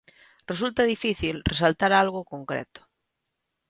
Resulta difícil resaltar algo concreto.